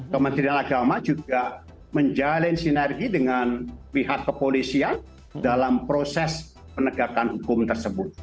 kementerian agama juga menjalin sinergi dengan pihak kepolisian dalam proses penegakan hukum tersebut